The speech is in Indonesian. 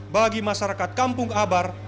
bagi masyarakat kampung abar